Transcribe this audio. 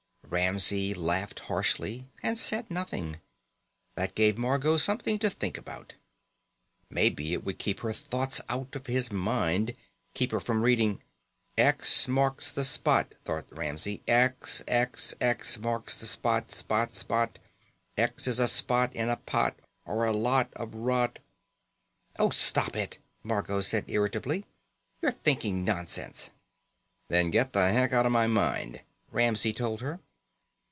Ramsey laughed harshly and said nothing. That gave Margot something to think about. Maybe it would keep her thoughts out of his mind, keep her from reading.... X marks the spot, thought Ramsey. XXX marks the spot spot spot. X is a spot in a pot or a lot of rot.... "Oh, stop it!" Margot cried irritably. "You're thinking nonsense." "Then get the heck out of my mind," Ramsey told her.